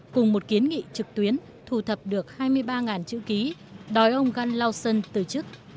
cùng một kiến nghị trực tuyến thu thập được hai mươi ba chữ ký đòi ông gunlausen từ chức